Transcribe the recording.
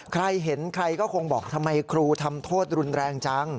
ใครเห็นใครก็คงบอกทำไมครูทำโทษรุนแรงจัง